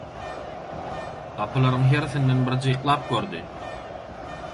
Gapylaryň hersinden bir jyklap gördi.